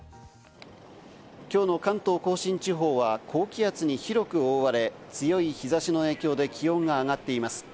今日の関東甲信地方は高気圧に広く覆われ、強い日差しの影響で気温が上がっています。